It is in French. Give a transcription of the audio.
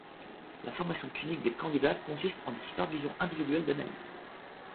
La formation clinique des candidats consiste en des supervisions individuelles d’analyses.